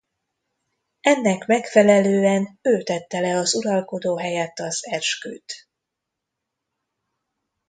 Ennek megfelelően ő tette le az uralkodó helyett az esküt.